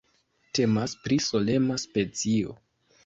Temas pri solema specio.